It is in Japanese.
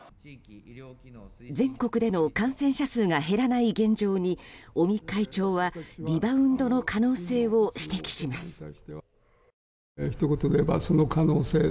全国での感染者数が減らない現状に尾身会長はリバウンドの可能性を指摘します。